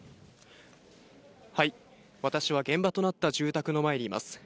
私は現場となった住宅の前にいます。